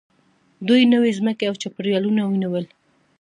دوی نوې ځمکې او چاپېریالونه ونیول.